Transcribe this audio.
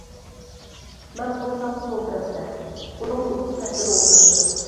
مەن بولسام سول تەرەپتە ئۇنىڭ ئۇدۇل تەرىپىدە ئولتۇراتتىم.